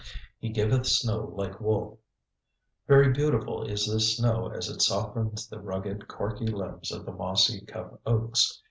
"He giveth snow like wool." Very beautiful is this snow as it softens the rugged, corky limbs of the mossy cup oaks.